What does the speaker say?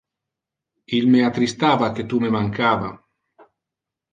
Il me attristava que tu me mancava.